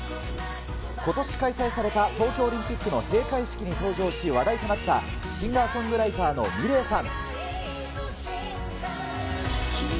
ことし開催された東京オリンピックの閉会式に登場し、話題となったシンガーソングライターのミレイさん。